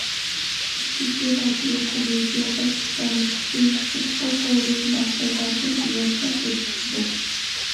مەركىزىي رادىيو- تېلېۋىزىيە باش ئىستانسىسى، شىنخۇا تورى نەق مەيداندىن بىۋاسىتە كۆرسىتىدۇ.